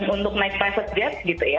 untuk naik private gap gitu ya